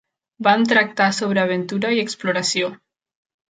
Van tractar sobre aventura i exploració.